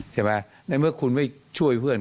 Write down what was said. ใช่ไหมในเมื่อคุณไม่ช่วยเพื่อน